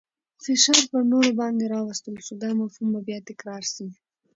فشار پر تورو باندې راوستل سو. دا مفهوم به بیا تکرار سي.